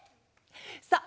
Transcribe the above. さあ